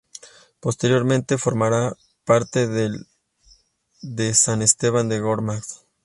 Posteriormente, formará parte del de San Esteban de Gormaz.